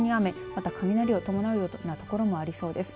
また雷を伴うような所もありそうです。